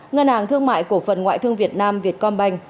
ngân hàng thương mại cổ phần ngoại thương việt nam việt com banh